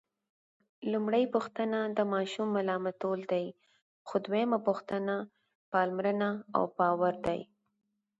لومړۍ پوښتنه د ماشوم ملامتول دي، خو دویمه پوښتنه پاملرنه او باور دی.